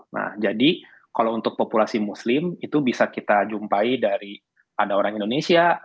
nah jadi kalau untuk populasi muslim itu bisa kita jumpai dari ada orang indonesia